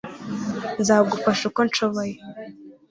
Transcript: nzagufasha uko nshoboye